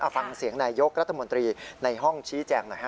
ฟังเสียงนายยกรัฐมนตรีในห้องชี้แจงหน่อยฮ